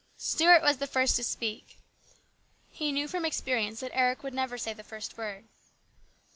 Stuart was the first to speak. He knew from experience that Eric would never say the first word.